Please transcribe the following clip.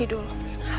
terima kasih ratu kidul